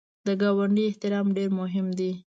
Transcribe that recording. د ګاونډي احترام ډېر مهم دی